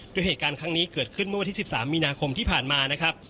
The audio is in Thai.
โดยเหตุการณ์ครั้งนี้เกิดขึ้นเมื่อวันที่๑๓มีนาคมที่ผ่านมานะครับ